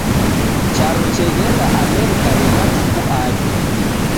Charo cheghenda Amerika ni matuku aw'i